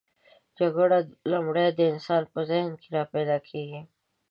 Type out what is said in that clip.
جګړه لومړی د انسان په ذهن کې راپیداکیږي.